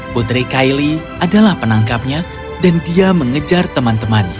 putri kylie adalah penangkapnya dan dia mengejar teman temannya